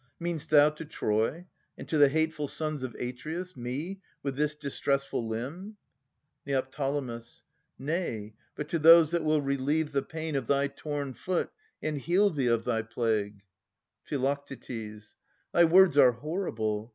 Mean'st thou to Troy, and to the hateful sons Of Atreus, me, with this distressful limb ? Neo. Nay, but to those that will relieve the pain Of thy torn foot and heal thee of thy plague. Phi. Thy words are horrible.